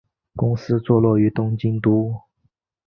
公司坐落于东京都。